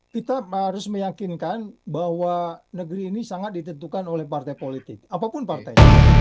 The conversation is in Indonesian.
kita harus meyakinkan bahwa negeri ini sangat ditentukan oleh partai politik apapun partai